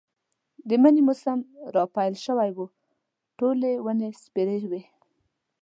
د مني موسم را پيل شوی و، ټولې ونې سپېرې وې.